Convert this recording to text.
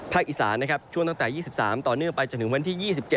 อีสานนะครับช่วงตั้งแต่๒๓ต่อเนื่องไปจนถึงวันที่๒๗